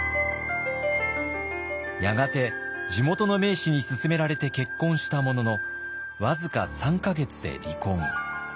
やがて地元の名士に勧められて結婚したものの僅か３か月で離婚。